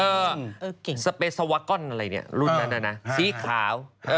สเปซาวากอนอะไรเนี่ยรุ่นนั้นน่ะนะสีขาว